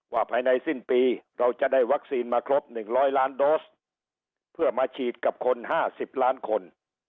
ภายในสิ้นปีเราจะได้วัคซีนมาครบ๑๐๐ล้านโดสเพื่อมาฉีดกับคน๕๐ล้านคน